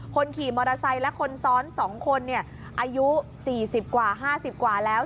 คนขี่มอเตอร์ไซค์และคนซ้อน๒คนอายุ๔๐กว่า๕๐กว่าแล้ว